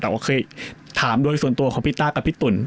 แต่ว่าเคยถามโดยส่วนตัวของพี่ต้ากับพี่ตุ๋น